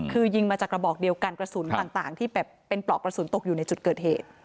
คือยิงมาจากกระบอกเดียวกันกระสุนต่างที่แบบเป็นปลอกกระสุนตกอยู่ในจุดเกิดเหตุ